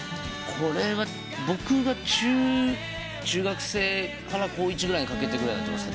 これは僕が中学生から高１ぐらいにかけてぐらい。